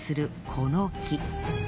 この木。